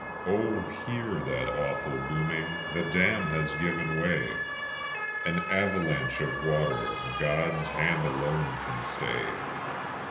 Oh, hear that awful booming; the dam has given way! An avalanche of water God's hand alone can stay!